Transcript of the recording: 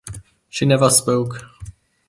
She never spoke.